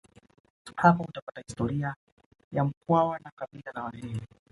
hapo utapatab historia ya mkwawa na kabila la wahehe